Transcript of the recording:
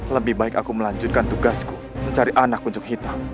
lebih baik aku melanjutkan tugasku mencari anak untuk hitam